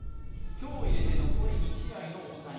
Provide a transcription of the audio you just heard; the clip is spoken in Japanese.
今日を入れて残り２試合の大谷。